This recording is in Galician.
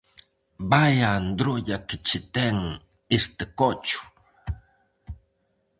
Vaia androlla que che ten este cocho!